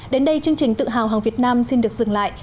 đến đây chương trình tự hào hàng việt nam xin được dừng lại